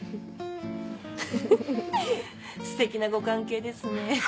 フフっステキなご関係ですね。